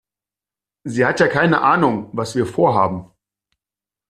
Sie hat ja keine Ahnung, was wir vorhaben.